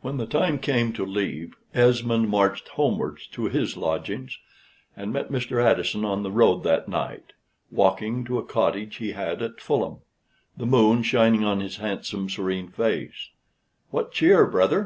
When the time came to take leave, Esmond marched homewards to his lodgings, and met Mr. Addison on the road that night, walking to a cottage he had at Fulham, the moon shining on his handsome serene face: "What cheer, brother?"